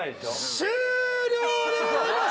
終了でございます！